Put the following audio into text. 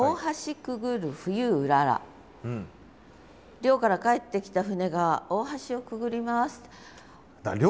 漁から帰ってきた船が大橋をくぐります。